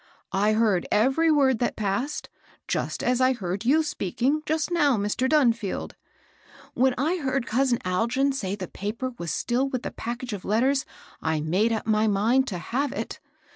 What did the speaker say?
" I heard every word that passed, just as I heard you speaking just now, Mr. Dunfield. When I heard cousin Hugh say the paper was still with the package of letters I made up my mind to have it.